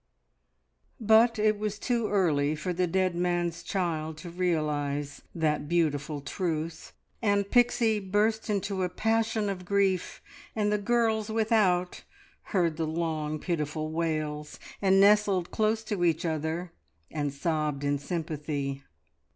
But it was too early for the dead man's child to realise that beautiful truth, and Pixie burst into a passion of grief, and the girls without heard the long pitiful wails and nestled close to each other and sobbed in sympathy.